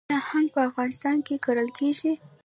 آیا هنګ په افغانستان کې کرل کیږي؟